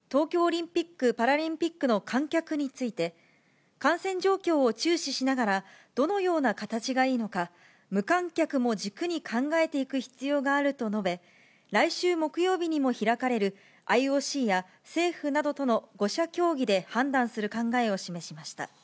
会見で小池知事は、東京オリンピック・パラリンピックの観客について、感染状況を注視しながら、どのような形がいいのか、無観客も軸に考えていく必要があると述べ、来週木曜日にも開かれる、ＩＯＣや政府などとの５者協議で判断する考えを示しました。